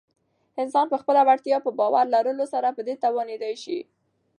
انسان په خپله وړتیا په باور لرلو سره په دې توانیدلی شی